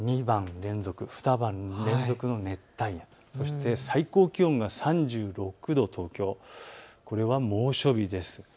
２晩連続の熱帯夜、そして最高気温が３６度、これは猛暑日です。